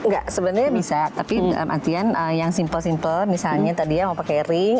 enggak sebenarnya bisa tapi dalam artian yang simple simpel misalnya tadi ya mau pakai ring